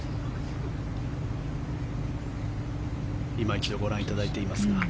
いま一度ご覧いただいていますか。